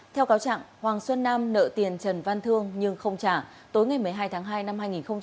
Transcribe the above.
theo cáo trạng hoàng xuân nam nợ tiền trần văn thương nhưng không trả tối ngày một mươi hai tháng hai năm hai nghìn hai mươi